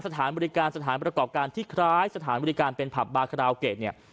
สถานบริการสถานประกอบการที่คล้ายสถานบริการเป็นผับบาคาราโอเกะเนี่ย